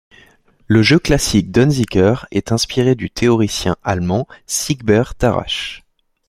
Le jeu classique d'Unzicker est inspiré du théoricien allemand Siegbert Tarrasch.